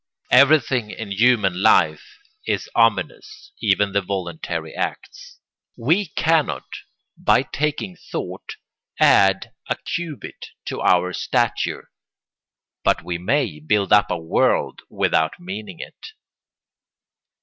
Everything in human life is ominous, even the voluntary acts. We cannot, by taking thought, add a cubit to our stature, but we may build up a world without meaning it.